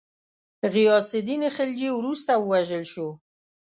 غیاث االدین خلجي وروسته ووژل شو.